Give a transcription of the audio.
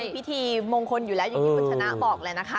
พิธีมงคลอยู่แล้วอย่างที่คุณชนะบอกเลยนะคะ